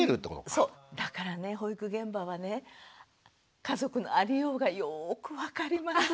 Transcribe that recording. だからね保育現場はね家族のありようがよく分かります。